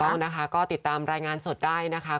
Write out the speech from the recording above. ต้องนะคะก็ติดตามรายงานสดได้นะคะ